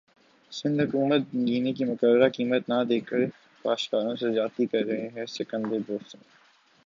سندھ حکومت گنے کی مقررہ قیمت نہ دیکر کاشتکاروں سے زیادتی کر رہی ہے سکندر بوسن